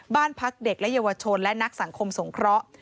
บ้านพักเด็กและเยาวชนและนักสังคมสงเคราะห์